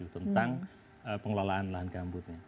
tentang pengelolaan lahan gambut